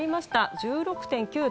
１６．９度。